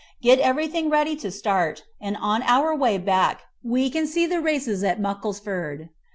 Get everything ready to start, and on our way back we can see the races at Mucklesford.